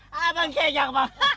pak yang kenyang